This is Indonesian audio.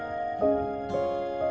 aku akan menjaga dia